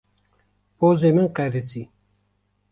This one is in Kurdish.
Pozê min qerisî.